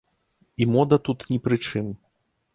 І мода тут ні пры чым!